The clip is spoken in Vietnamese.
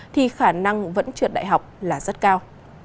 thì khả năng vẫn trượt đại học là rất cao